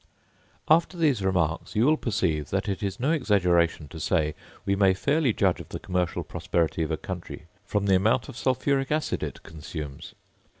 After these remarks you will perceive that it is no exaggeration to say, we may fairly judge of the commercial prosperity of a country from the amount of sulphuric acid it consumes.